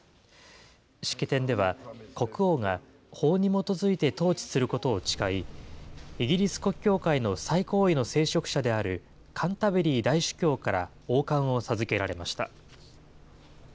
式典では、国王が法に基づいて統治することを誓い、イギリス国教会の最高位の聖職者であるカンタベリー大主教から王冠を授けられました。